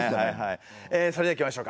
それではいきましょうか。